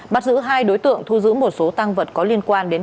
bắt giữ hai đối tượng thu giữ một số tăng vật có liên quan